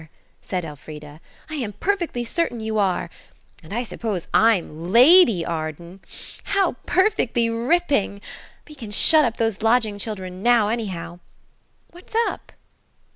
said Elfrida. "I am perfectly certain you are. And I suppose I'm Lady Arden. How perfectly ripping! We can shut up those lodging children now, anyhow. What's up?"